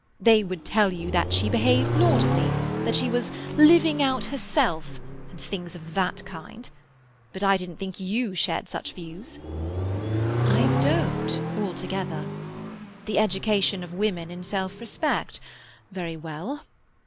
They would tell you that she behaved laudably, that she was living out herself—and things of that kind. But I didn't think you shared such views." "I don't, altogether. "The education of women in self respect." Very well.